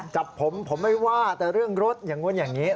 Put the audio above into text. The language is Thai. จับผมผมไม่ว่าแต่เรื่องรถอย่างนู้นอย่างนี้